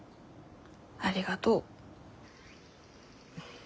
ありがとう。